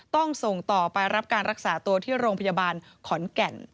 ต้องส่งต่อไปรับการรักษาตัวที่โรงพยาบาลขอนแก่น